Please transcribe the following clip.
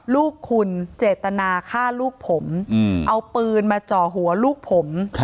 ลูกคุณเจตนาฆ่าลูกผมเอาปืนมาจ่อหัวลูกผม